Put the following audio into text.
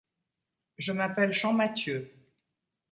Je m’appelle Champmathieu.